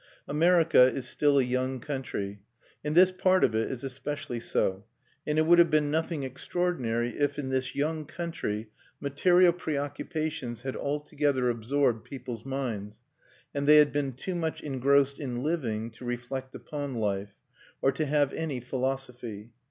America is still a young country, and this part of it is especially so; and it would have been nothing extraordinary if, in this young country, material preoccupations had altogether absorbed people's minds, and they had been too much engrossed in living to reflect upon life, or to have any philosophy.